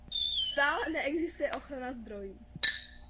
Stále neexistuje ochrana zdrojů.